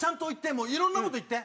もういろんな事言って！